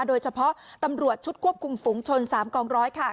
โดยเฉพาะตำรวจชุดควบคุมฝุงชน๓กองร้อยค่ะ